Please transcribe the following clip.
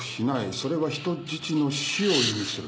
それは人質の死を意味する。